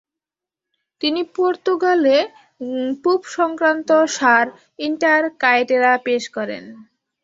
তিনি পর্তুগালে পোপসংক্রান্ত ষাঁড় ইন্টার কায়েটেরা পেশ করেন।